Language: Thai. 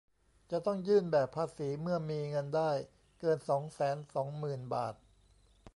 จะต้องยื่นแบบภาษีเมื่อมีเงินได้เกิน สองแสนสองหมื่น บาท